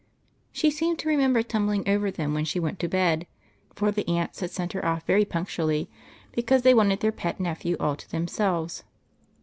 She seemed to remember tum bling over them when she went to bed, for the aunts had sent her off very punctually, because they wanted their pet nephew all to themselves.